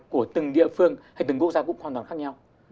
của từng địa phương hay từng quốc gia cũng hoàn toàn khác nhau